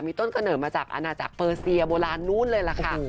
มีต้นกระเนินมาจากอันน่ะจากเปอร์เซียโบราณนู้นเลยล่ะค่ะ